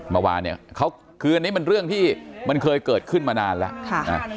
เมื่อวานเนี่ยเขาคืออันนี้มันเรื่องที่มันเคยเกิดขึ้นมานานแล้ว